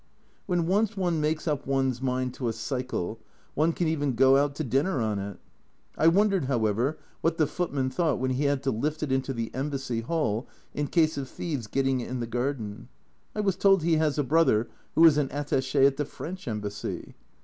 When once one makes up one's mind to a cycle, one can even go out to dinner on it. I wondered, however, what the footman thought when he had to lift it into the Embassy hall in case of thieves getting it in the garden (I was told he has a brother who is an attache at the French Embassy